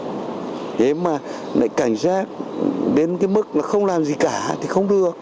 thế mà lại cảnh giác đến cái mức nó không làm gì cả thì không được